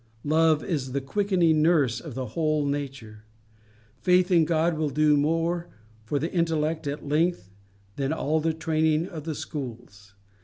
Love is the quickening nurse of the whole nature. Faith in God will do more for the intellect at length than all the training of the schools.